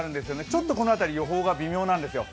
ちょっとこの辺り、予報が微妙なんですよ。